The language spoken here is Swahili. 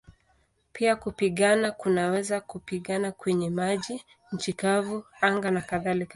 Pia kupigana kunaweza kupigana kwenye maji, nchi kavu, anga nakadhalika.